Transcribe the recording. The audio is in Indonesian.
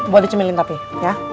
buat dicemilin tapi ya